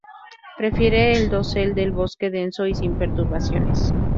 Prefiere el dosel del bosque denso y sin perturbaciones.